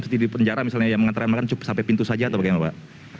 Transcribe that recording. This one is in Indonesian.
ada aturan di penjara misalnya yang mengantar makan sampai pintu saja atau bagaimana pak